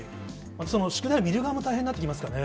その宿題見る側も大変になってきますかね。